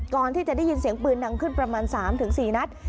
ก่อนที่จะได้ยินเสียงปืนดังขึ้นประมาณ๓๔นัด